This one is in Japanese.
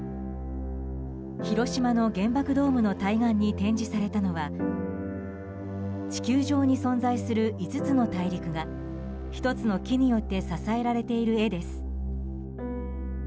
広島の原爆ドームの対岸に展示されたのは地球上に存在する５つの大陸が１つの木によって支えられている絵です。